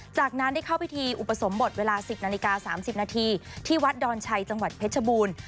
จากนั้นได้เข้าพิธีอุปสมบทเวลา๑๐นาฬิกา๓๐นาทีที่วัดดอนชัยจังหวัดเพชรบูรณ์